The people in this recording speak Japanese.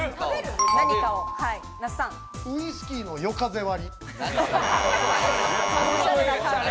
ウイスキーの夜風割り。